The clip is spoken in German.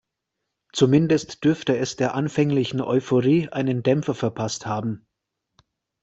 Zumindest dürfte es der anfänglichen Euphorie einen Dämpfer verpasst haben.